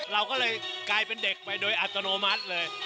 เราก็เลยกลายเป็นเด็กไปโดยอัตโนมัติเลย